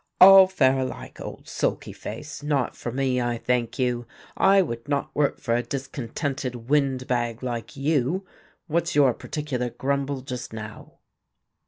"All fare alike, old sulky face! Not for me, I thank you. I would not work for a discontented windbag like you. What's your particular grumble just now?"